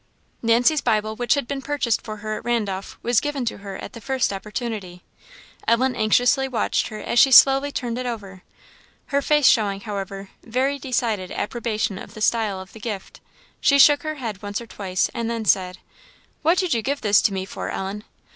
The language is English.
Nancy's Bible, which had been purchased for her at Randolph, was given to her the first opportunity. Ellen anxiously watched her as she slowly turned it over, her face showing, however, very decided approbation of the style of the gift. She shook her head once or twice, and then said "What did you give this to me for, Ellen?"